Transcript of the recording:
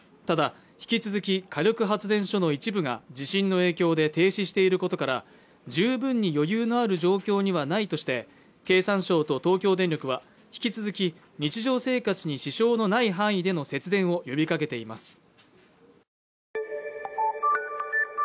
ただ引き続き火力発電所の一部が地震の影響で停止していることから十分に余裕のある状況にはないとして経産省と東京電力は引き続き日常生活に支障のない範囲での節電を呼びかけています